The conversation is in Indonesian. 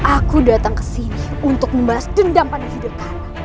aku datang ke sini untuk membalas dendam pada hidup